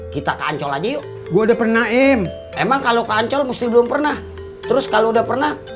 kita kanco lagi gua udah pernah im emang kalau kancol musti belum pernah terus kalau udah pernah